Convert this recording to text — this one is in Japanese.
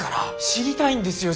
知りたいんですよ